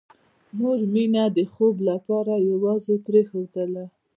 مور مينه د خوب لپاره یوازې پرېښودله